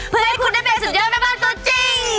เพื่อให้คุณได้เป็นสุดยอดแม่บ้านตัวจริง